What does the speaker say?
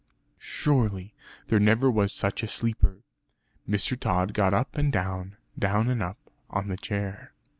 Surely there never was such a sleeper! Mr. Tod got up and down, down and up on the chair.